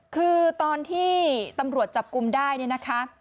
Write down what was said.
คือตอนที่ตำรวจจับกลุ่มได้เนี่ยนะคะ